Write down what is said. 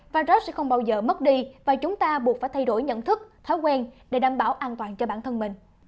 vard sẽ không bao giờ mất đi và chúng ta buộc phải thay đổi nhận thức thói quen để đảm bảo an toàn cho bản thân mình